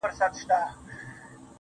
صبر چي تا د ژوند، د هر اړخ استاده کړمه.